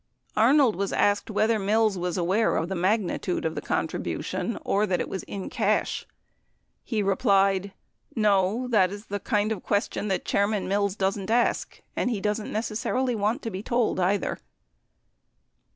86 Arnold was asked whether Mills was aware of the magnitude of the contribution or that it was in cash. He replied, "No. That is the kind of question that Chairman Mills doesn't ask, and he doesn't neces sarily want to be told, either."